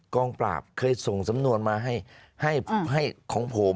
กองปราบเคยส่งสำนวนมาให้ของผม